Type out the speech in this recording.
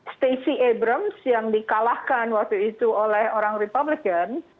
stacey abrams yang dikalahkan waktu itu oleh orang republican